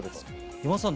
今田さん